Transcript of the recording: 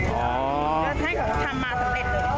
เขาทำมาสำเร็จเลย